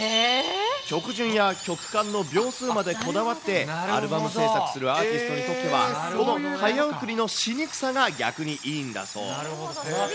曲順や曲間の秒数までこだわってアルバム制作するアーティストにとっては、この早送りのしにくさが逆にいいんだそう。